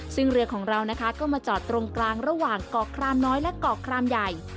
ซึ่งเรือของเรานะคะก็มาจอดตรงกลางระหว่างเกาะครามน้อยและเกาะครามใหญ่